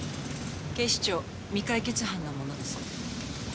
警視庁未解決班の者です。